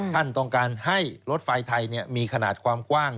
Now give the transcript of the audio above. ท่านต้องการให้รถไฟไทยมีขนาดความกว้าง